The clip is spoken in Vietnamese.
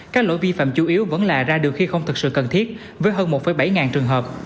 các lỗi vi phạm chủ yếu vẫn là ra đường khi không thực sự cần thiết với hơn một bảy ngàn trường hợp